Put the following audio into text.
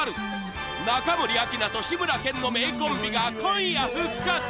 中森明菜と志村けんの名コンビが今夜復活！